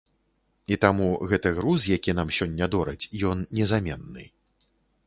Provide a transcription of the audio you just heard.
І таму гэты груз, які нам сёння дораць, ён незаменны.